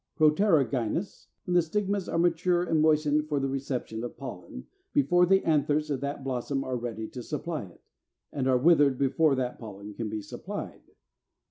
Proterogynous, when the stigmas are mature and moistened for the reception of pollen, before the anthers of that blossom are ready to supply it, and are withered before that pollen can be supplied.